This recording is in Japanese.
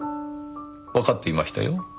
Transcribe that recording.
わかっていましたよ。